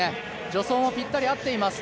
助走もぴったり合っています。